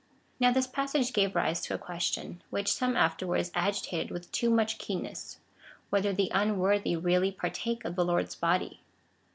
Now this passage gave rise to a question, which some afterwards agitated with too much keenness — whether the umuorthy really partake of the Lord's body